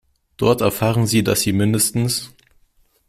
Dort erfahren Sie, dass sie mind.